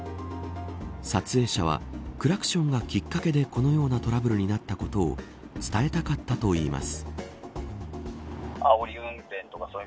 撮影者はクラクションがきっかけでこのようなトラブルになったことを伝えたかったといいます。